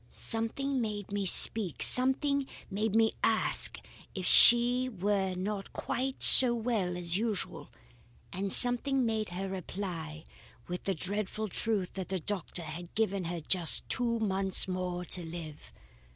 Something made me speak; something made me ask if she were not quite so well as usual, and something made her reply with the dreadful truth that the doctor had given her just two months more to live.